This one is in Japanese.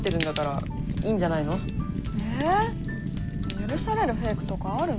許されるフェイクとかあるの？